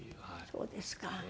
そうですか。